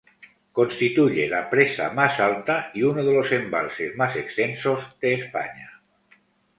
Constituye la presa más alta y uno de los embalses más extensos de España.